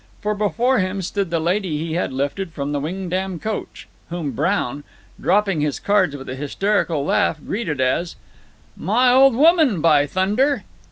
For before him stood the lady he had lifted from the Wingdam coach, whom Brown dropping his cards with a hysterical laugh greeted as: "My old woman, by thunder!"